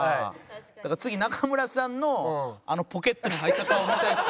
だから次中村さんのあのポケットに入った顔見たいですね。